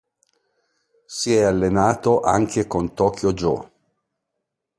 Si è allenato anche con Tokyo Joe.